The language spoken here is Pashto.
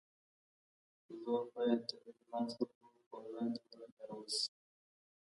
زور بايد د بې ګناه خلکو پر وړاندې ونه کارول سي.